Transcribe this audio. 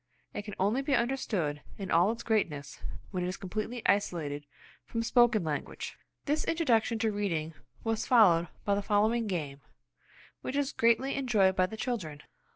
It can only be understood in all its greatness when it is completely isolated from spoken language. This introduction to reading was followed by the following game, which is greatly enjoyed by the children.